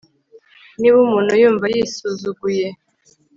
niba umuntu yumva yisuzuguye